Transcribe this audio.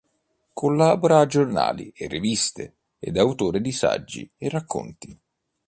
Collabora a giornali e riviste ed è autore di saggi e racconti.